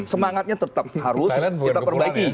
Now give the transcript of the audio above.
semangatnya tetap harus kita perbaiki